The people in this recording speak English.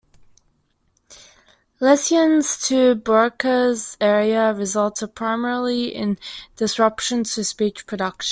Lesions to Broca's Area resulted primarily in disruptions to speech production.